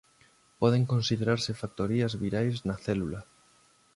Poden considerarse factorías virais na célula.